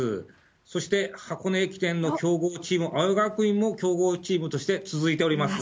そして箱根駅伝の強豪チーム、青山学院も強豪チームとして続いております。